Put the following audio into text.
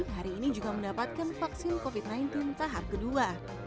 hari ini juga mendapatkan vaksin covid sembilan belas tahap kedua